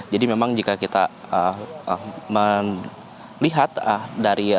jadi memang jika kita melihat dari resmi